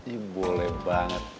iya boleh banget